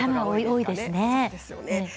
多いですね。